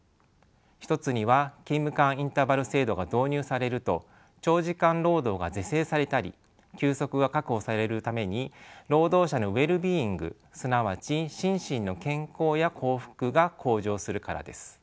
一つには勤務間インターバル制度が導入されると長時間労働が是正されたり休息が確保されるために労働者のウェルビーイングがすなわち心身の健康や幸福が向上するからです。